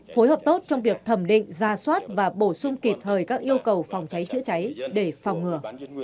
phối hợp tốt trong việc thẩm định ra soát và bổ sung kịp thời các yêu cầu phòng cháy chữa cháy để phòng ngừa